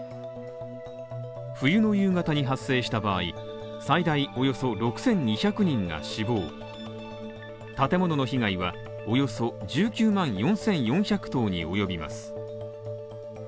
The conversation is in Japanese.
冬の夕方に発生した場合、最大およそ６２００人が死亡建物の被害はおよそ１９万４４００棟におよびます。